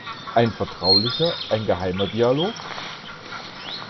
Ein vertraulicher, ein geheimer Dialog?